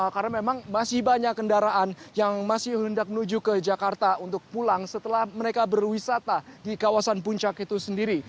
karena memang masih banyak kendaraan yang masih hendak menuju ke jakarta untuk pulang setelah mereka berwisata di kawasan puncak itu sendiri